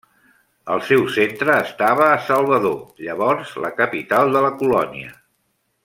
El seu centre estava a Salvador, llavors la capital de la colònia.